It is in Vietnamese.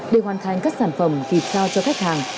để hoàn thành các sản phẩm thịt sao cho khách hàng